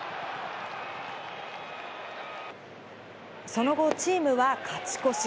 その後チームは勝ち越し。